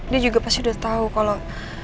dia juga pasti udah tahu kalau